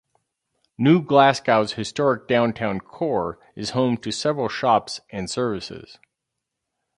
New Glasgow's historic downtown core is home to several shops and services.